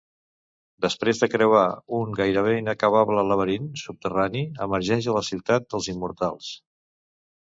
Després de creuar un gairebé inacabable laberint subterrani, emergeix a la ciutat dels Immortals.